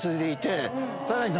さらに。